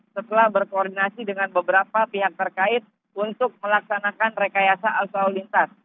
setelah berkoordinasi dengan beberapa pihak terkait untuk melaksanakan rekayasa australintas